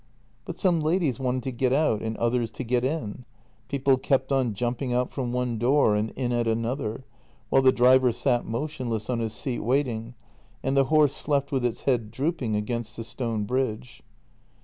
But some ladies wanted to get out and others to get in — people kept on jumping out from one door and in at another, while the driver sat motionless on his seat waiting, and the horse slept with its head drooping against the stone bridge.